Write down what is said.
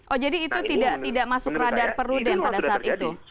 oh jadi itu tidak masuk radar perudem pada saat itu